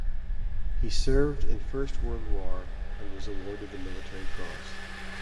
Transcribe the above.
He served in First World War and was awarded the Military Cross.